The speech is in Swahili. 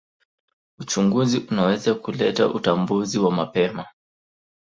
Uchunguzi unaweza kuleta utambuzi wa mapema.